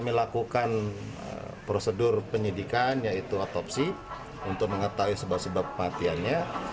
kami lakukan prosedur penyidikan yaitu otopsi untuk mengetahui sebab sebab kematiannya